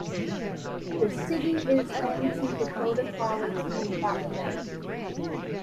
The city is home to Dakota College at Bottineau.